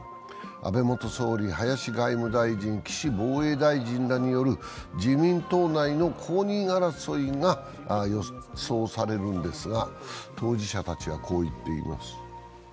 安倍元総理、林外務大臣、岸防衛大臣らによる自民党内の公認争いが予想されるんですが、当事者たちはこう言っています。